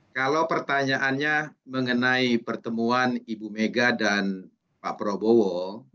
kalau pertanyaannya mengenai pertemuan ibu mega dan pak prabowo